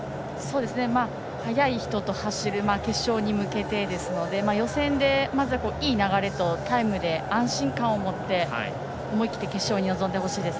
速い人と走る決勝に向けてですので予選でまずはいい流れとタイムで安心感を持って思い切って決勝に臨んでほしいです。